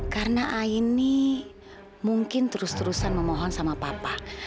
karena aini mungkin terus terusan memohon sama papa